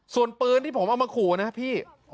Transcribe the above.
ส่วนปืนที่ผมเอามาขู่นะพี่